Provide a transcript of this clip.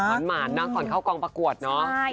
ขอนหมานนะขอนเข้ากองประกวดเนอะ